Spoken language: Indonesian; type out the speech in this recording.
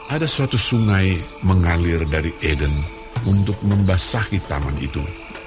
ada suatu sungai mengalir dari eden untuk membasahi taman itu